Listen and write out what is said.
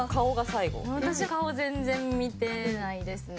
私顔全然見てないですね。